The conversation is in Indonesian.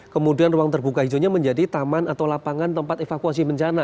kemudian ruang terbuka hijaunya menjadi taman atau lapangan tempat evakuasi bencana